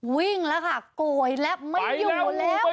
วิ่งแล้วค่ะโกยแล้วไม่อยู่แล้ว